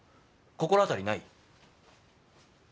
心当たりない？